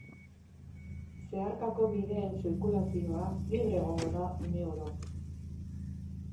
Zeharkako bideen zirkulazioa libre egongo da une oro.